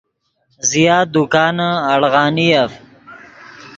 زیات دکانے اڑغانیف